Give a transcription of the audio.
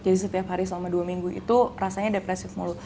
jadi setiap hari selama dua minggu itu rasanya depressive mulu